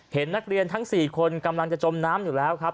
เห็นนักเรียนทั้ง๔คนกำลังจะจมน้ำอยู่แล้วครับ